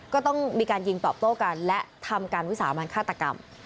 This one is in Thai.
ก็ต้องมีการยิงตอบโต้กันและทำการวิสามันฆาตกรรม